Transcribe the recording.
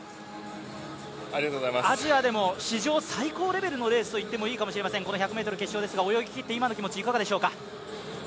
アジアでも史上最高レベルのレースと言ってもいいかもしれません、このレースですが泳ぎきって今の気持ちはいかがでしょうか？